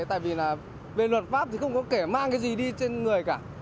tại vì về luật pháp thì không có kể mang cái gì đi trên người cả